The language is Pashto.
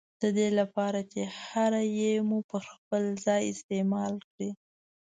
ددې له پاره چي هره ي مو پر خپل ځای استعمال کړې